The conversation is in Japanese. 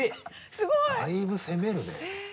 すごい！だいぶ攻めるね。